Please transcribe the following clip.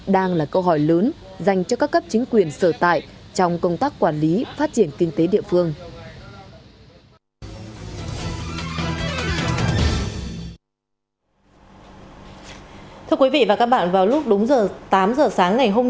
đang là câu hỏi lớn dành cho các cấp chính quyền sở tại trong công tác quản lý phát triển kinh tế địa phương